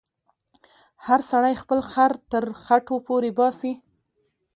هر سړی خپل خر تر خټو پورې باسې.